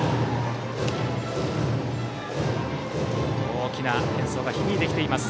大きな演奏が響いてきています